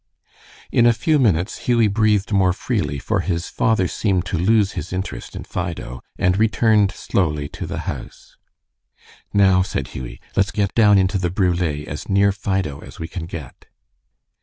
In a few minutes Hughie breathed more freely, for his father seemed to lose his interest in Fido, and returned slowly to the house. "Now," said Hughie, "let's get down into the brule as near Fido as we can get."